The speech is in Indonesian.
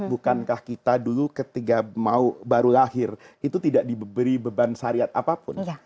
bukankah kita dulu ketika mau baru lahir itu tidak diberi beban syariat apapun